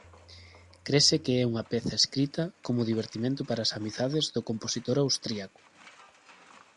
Crese que é unha peza escrita como divertimento para as amizades do compositor austríaco.